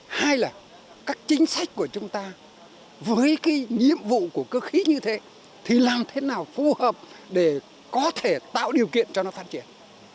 hai là các chính sách của chúng ta với cái nhiệm vụ của cơ khí như thế thì làm thế nào phù hợp để có thể tạo điều kiện cho nó phát triển